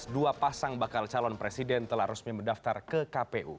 dua pasang bakal calon presiden telah resmi mendaftar ke kpu